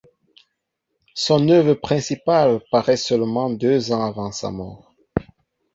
Son œuvre principale paraît seulement deux ans avant sa mort.